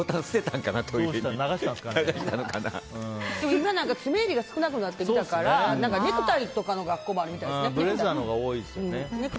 でも、今は詰めえりが少なくなってきたからネクタイとかの学校もあるみたいですね。